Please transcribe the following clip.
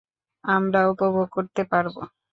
আমরা উপভোগ করতে পারব।